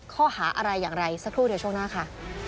ข้อหาอะไรอย่างไรสักครู่เดี๋ยวช่วงหน้าค่ะ